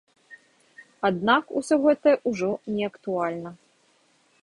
Аднак усё гэта ўжо не актуальна.